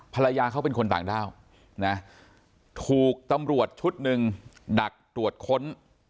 ภรรยาเขาเป็นคนต่างด้าวนะถูกตำรวจชุดหนึ่งดักตรวจค้น